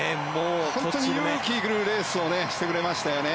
本当に勇気がいるレースをしてくれましたね。